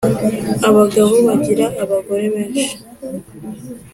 Abagabo bagira abagore benshi